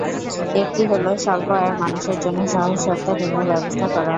একটি হলো, স্বল্প আয়ের মানুষের জন্য সহজ শর্তে ঋণের ব্যবস্থা করা।